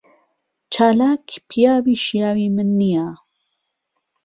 چالاک پیاوی شیاوی من نییە.